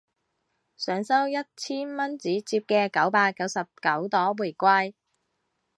想收一千蚊紙摺嘅九百九十九朵玫瑰